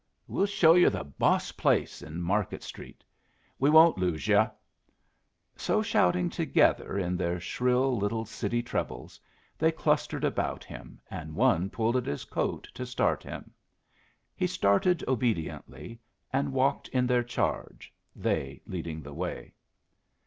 We'll show yer the boss place in Market Street. We won't lose yer." So, shouting together in their shrill little city trebles, they clustered about him, and one pulled at his coat to start him. He started obediently, and walked in their charge, they leading the way.